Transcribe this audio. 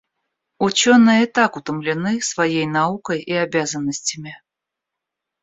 Ученые и так утомлены своей наукой и обязанностями.